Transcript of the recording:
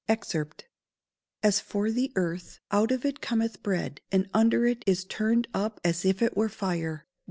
[Verse: "As for the earth, out of it cometh bread; and under it is turned up as it were fire."